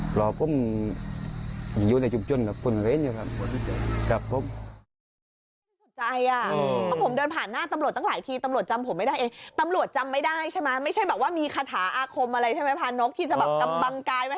ก็ผมเชื่อว่าไม่ได้ป่าเสียแป้งนี่สิครับ